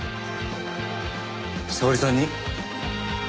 沙織さんに。